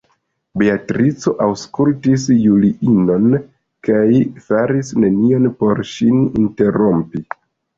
Beatrico aŭskultis Juliinon, kaj faris nenion por ŝin interrompi.